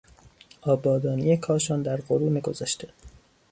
آبادانی کاشان در قرون گذشته